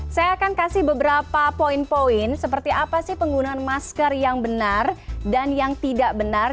saya akan kasih beberapa poin poin seperti apa sih penggunaan masker yang benar dan yang tidak benar